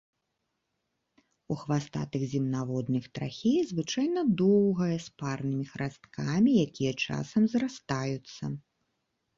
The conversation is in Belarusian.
У хвастатых земнаводных трахея звычайна доўгая, з парнымі храсткамі, якія часам зрастаюцца.